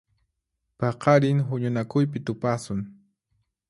Paqarin huñunakuypi tupasun.